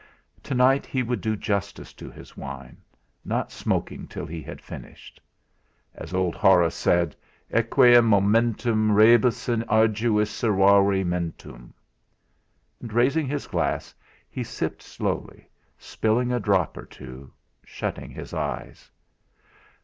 To night he would do justice to his wine, not smoking till he had finished. As old Horace said: "Aequam memento rebus in arduis Servare mentem." And, raising his glass, he sipped slowly, spilling a drop or two, shutting his eyes.